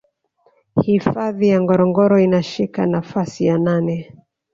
Hifadhi ya Ngorongoro inashika nafasi ya nane